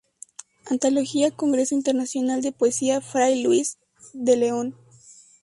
Antología Congreso Internacional de Poesía Fray Luis de León.